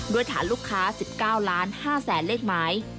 ด้วยฐานลูกค้า๑๙๕๐๐๐เลขหมาย